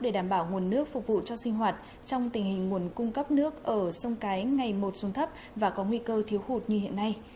để đảm bảo nguồn nước phục vụ cho sinh hoạt trong tình hình nguồn cung cấp nước ở sông cái ngày một xuống thấp và có nguy cơ thiếu hụt như hiện nay